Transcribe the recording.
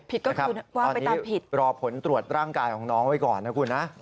ก็คือว่าไปตามผิดรอผลตรวจร่างกายของน้องไว้ก่อนนะคุณนะ